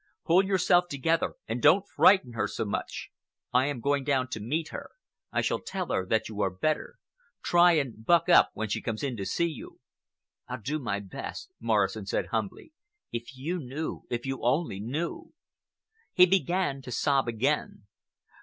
"Pull yourself together and don't frighten her so much. I am going down to meet her. I shall tell her that you are better. Try and buck up when she comes in to see you." "I'll do my best," Morrison said humbly. "If you knew! If you only knew!" He began to sob again.